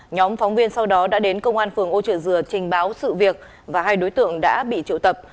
nhóm phóng viên sau đó đã đến công an phường âu trợ dừa trình báo sự việc và hai đối tượng đã bị triệu tập